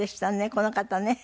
この方ね。